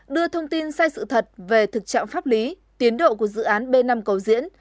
đưa thông tin sai sự thật về thực trạng pháp lý tiến độ của dự án b năm cầu diễn